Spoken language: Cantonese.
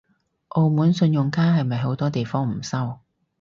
澳門信用卡係咪好多地方唔收？